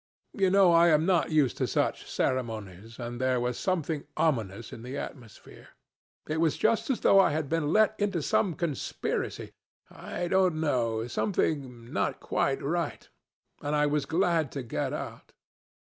You know I am not used to such ceremonies, and there was something ominous in the atmosphere. It was just as though I had been let into some conspiracy I don't know something not quite right; and I was glad to get out.